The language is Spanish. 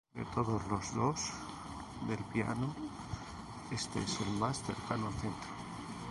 De todos los "dos" del piano, este es el más cercano al centro.